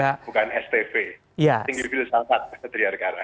bukan stp tinggi bilis angkat driyarkara